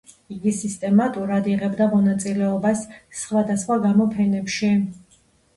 იგი სისტემატურად იღებდა მონაწილეობას სხვადასხვა გამოფენებში.